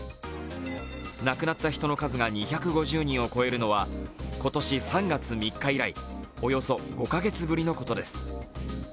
亡くなった人の数が２５０人を超えるのは、今年３月３日以来およそ５カ月ぶりのことです。